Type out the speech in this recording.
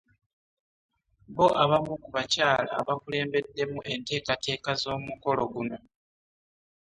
Bo abamu ku bakyala abakulembeddemu enteekateeka z'omukolo guno